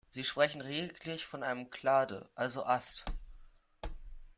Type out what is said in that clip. Sie sprechen lediglich von einem „Clade“, also Ast.